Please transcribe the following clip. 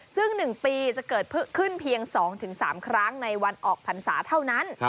ซึ่ง๑ปีจะเกิดขึ้นเพียง๒๓ครั้งในวันออกพรรษาเท่านั้น